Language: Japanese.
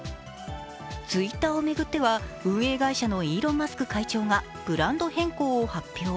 Ｔｗｉｔｔｅｒを巡っては運営会社のイーロン・マスク会長がブランド変更を発表。